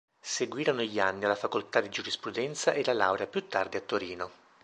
Seguirono gli anni alla Facoltà di Giurisprudenza e la laurea più tardi a Torino.